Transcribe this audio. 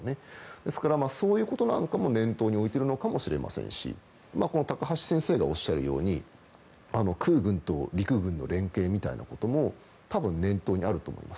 ですから、そういうことなんかも念頭に置いているのかもしれないですし高橋先生がおっしゃるように空軍と陸軍の連携みたいなことも多分、念頭にあると思います。